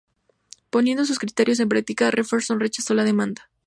Poniendo sus criterios en práctica, Jefferson rechazó la demanda.